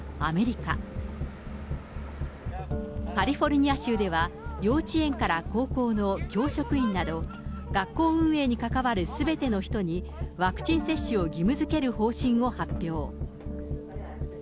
カリフォルニア州では、幼稚園から高校の教職員など、学校運営に関わるすべての人に、ワクチン接種を義務づける方針を発表。